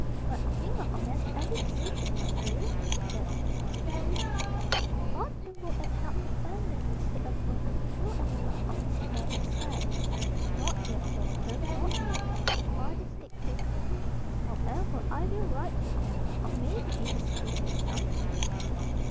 "But think of Nan's education, my dear," suggested Mr. Sherwood. "I ought to work and help the family instead of going to school any longer," Nan declared. "Not yet, Daughter, not yet," her father said quickly. "However, I will write to Hen. He may be able to suggest something."